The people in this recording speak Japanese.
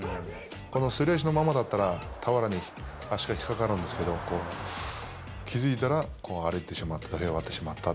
このすり足のままだったら俵に足が引っ掛かるんですけど気付いたら歩いてしまった土俵を割ってしまった。